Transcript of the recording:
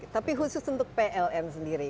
tapi khusus untuk pln sendiri